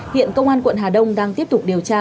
hiện công an quận hà đông đang tiếp tục điều tra